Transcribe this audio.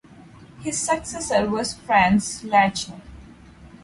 His successor was Franz Lachner.